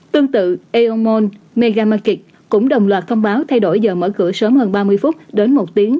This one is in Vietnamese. tương tự eomon mega makic cũng đồng loạt thông báo thay đổi giờ mở cửa sớm hơn ba mươi phút đến một tiếng